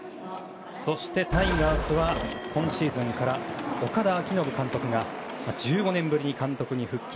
そして、タイガースは今シーズンから岡田彰布監督が１５年ぶりに監督に復帰。